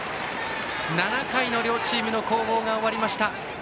７回の両チームの攻防が終わりました。